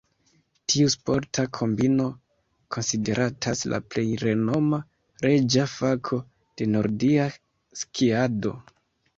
Tiu sporta kombino konsideratas la plej renoma, "reĝa fako" de nordia skiado.